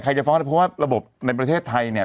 จะฟ้องได้เพราะว่าระบบในประเทศไทยเนี่ย